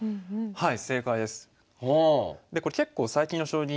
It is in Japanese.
はい。